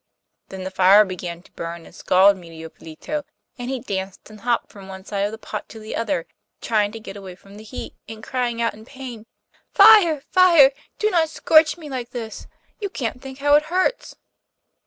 Then the fire began to burn and scald Medio Pollito, and he danced and hopped from one side of the pot to the other, trying to get away from the heat, and crying out in pain: Fire, fire! do not scorch me like this; you can't think how it hurts.